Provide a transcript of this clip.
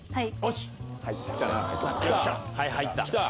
はい入った。